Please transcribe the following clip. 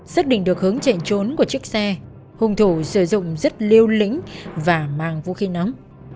xác định được hướng chạy trốn của chiếc xe hùng thủ sử dụng rất liêu lĩnh và mang vũ khí nóng